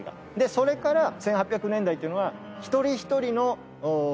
それから１８００年代っていうのは。